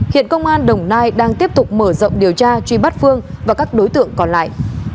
hiện công an đồng nai đang tiếp tục mở rộng điều tra truy bắt phương và các đối tượng còn lại